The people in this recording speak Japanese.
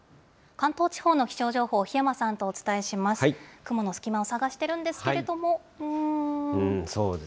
関東地方の気象情報、檜山さんとお伝えします。